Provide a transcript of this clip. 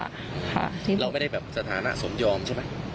แล้วไม่ได้แบบสถานะสมยอมใช่ไหม